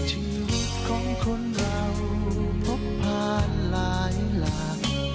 ชีวิตของคนเราพบผ่านหลายหลัง